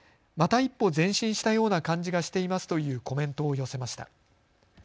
また一歩前進したような感じがしていますというコメントを寄せました。